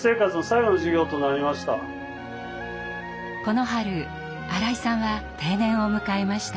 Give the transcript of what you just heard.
この春新井さんは定年を迎えました。